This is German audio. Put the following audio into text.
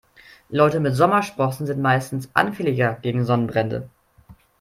Leute mit Sommersprossen sind meistens anfälliger gegen Sonnenbrände.